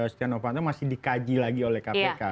setia novanto masih dikaji lagi oleh kpk